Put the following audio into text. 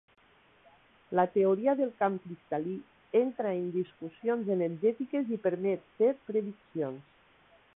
La teoria del camp cristal·lí entra en discussions energètiques i permet fer prediccions.